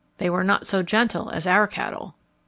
They were not so gentle as our cattle.